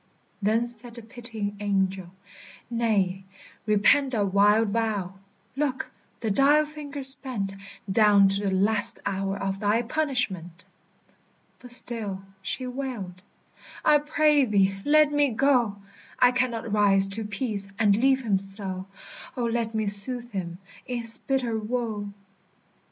Then said the pitying angel, "Nay, repent That wild vow! Look, the dial finger's bent Down to the last hour of thy punishment!" But still she wailed, "I pray thee, let me go! I cannot rise to peace and leave him so. O, let me soothe him in his bitter woe!"